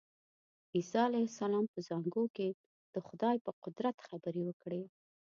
عیسی علیه السلام په زانګو کې د خدای په قدرت خبرې وکړې.